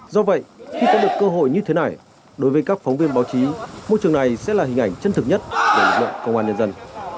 do vậy khi có được cơ hội như thế này đối với các phóng viên báo chí môi trường này sẽ là hình ảnh chân thực nhất của lực lượng công an nhân dân